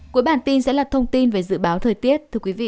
cuối bản tin sẽ là thông tin về dự báo thời tiết